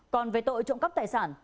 còn về tội trộm cắp tài sản